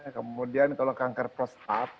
kemudian kalau kanker prostat